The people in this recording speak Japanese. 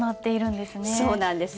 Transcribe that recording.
そうなんです！